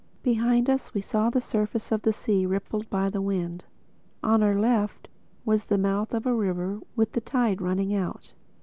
Behind us we saw the surface of the sea rippled by the wind. On our left was the mouth of a river with the tide running out.